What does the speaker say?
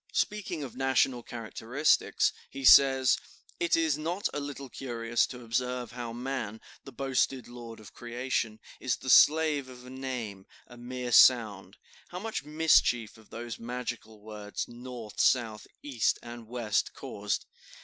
Speaking of national characteristics, he says: "It is not a little curious to observe how man, the boasted lord of creation, is the slave of a name, a mere sound. How much mischief have those magical words, North, South, East, and West caused!